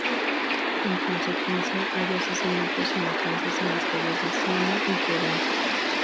En consecuencia, hay asesinatos y matanzas en las calles de Siena y Florencia.